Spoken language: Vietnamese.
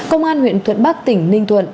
công an huyện thuận bắc tỉnh ninh thuận